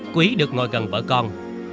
quý được ngồi gần vợ con